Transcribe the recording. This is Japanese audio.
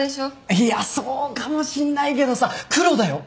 いやそうかもしんないけどさ黒だよ黒。